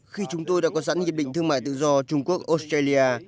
khi chúng tôi đã có sẵn hiệp định thương mại tự do trung quốc australia